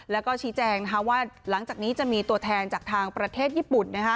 แล้วก็ชี้แจงว่าหลังจากนี้จะมีตัวแทนจากทางประเทศญี่ปุ่น